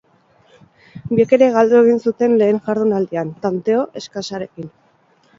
Biek ere galdu egin zuten lehen jardunaldian, tanteo eskasarekin.